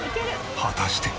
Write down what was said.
果たして。